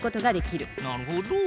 なるほど！